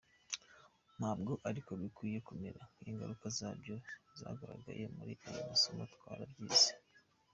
Ntabwo ariko bikwiriye kumera n’ingaruka zabyo zaragaragaye muri ayo masomo twarabyize.”